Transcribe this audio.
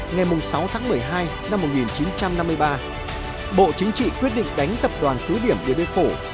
ngày sáu tháng một mươi hai năm một nghìn chín trăm năm mươi ba bộ chính trị quyết định đánh tập đoàn cứ điểm điện biên phủ